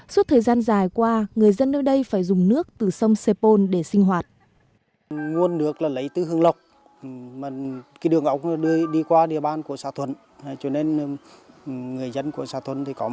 suốt thời gian dài qua người dân nơi đây phải dùng nước từ sông sepol để sinh hoạt